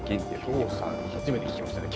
胸鎖初めて聞きましたね。